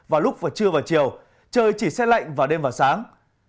và lúc trưa và chiều trời chỉ xe lạnh vào đêm và sáng